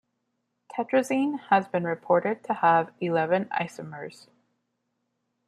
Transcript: Tetrazene has been reported to have eleven isomers.